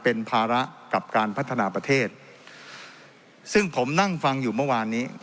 เป็นภาระกับการพัฒนาประเทศซึ่งผมนั่งฟังอยู่เมื่อวานนี้